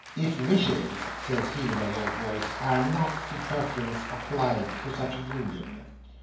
"If wishes," says he in a low voice, "are not superfluous, applied to such a union."